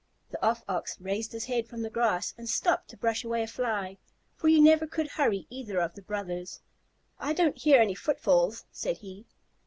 The Off Ox raised his head from the grass and stopped to brush away a Fly, for you never could hurry either of the brothers. "I don't hear any footfalls," said he.